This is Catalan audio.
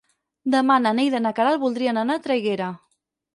Demà na Neida i na Queralt voldrien anar a Traiguera.